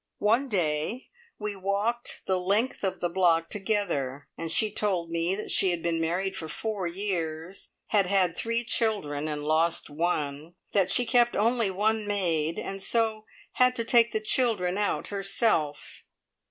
One day we walked the length of the block together, and she told me that she had been married for four years, had had three children and lost one; that she kept only one maid, and so had to take the children out herself.